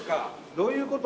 どういうこと？